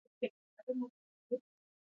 د زړه غږ ته غوږ نیول اړین دي.